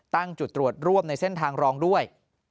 ตั้งจุดตรวจร่วมในเส้นทางรองด้วย